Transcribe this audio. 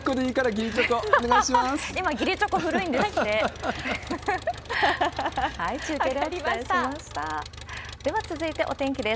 では続いて、お天気です。